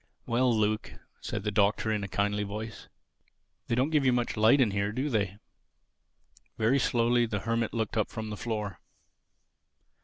"Well, Luke," said the Doctor in a kindly voice, "they don't give you much light in here, do they?" Very slowly the Hermit looked up from the floor.